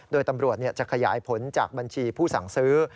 โดยตำรวจจะขยายผลจากบัญชีผู้สั่งซื้อ